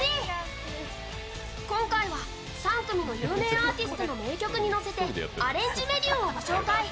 今回は３組の有名アーティストの名曲に乗せてアレンジメニューをご紹介。